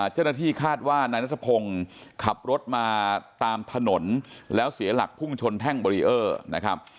เจ้าหน้าที่คาดว่านายนัทพงศ์ขับรถมาตามถนนแล้วเสียหลักพุ่งชนแท่งเบรีเออร์นะครับ